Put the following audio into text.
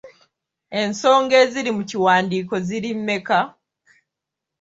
Ensonga eziri mu kiwandiiko ziri mmeka?